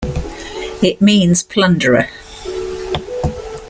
It means 'plunderer'.